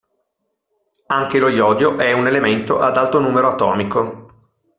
Anche lo iodio è un elemento ad alto numero atomico.